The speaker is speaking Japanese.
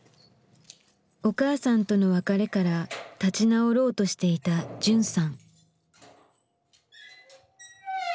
お母さんとの別れから立ち直ろうとしていたじゅんさん。